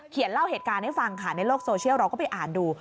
เล่าเหตุการณ์ให้ฟังค่ะในโลกโซเชียลเราก็ไปอ่านดู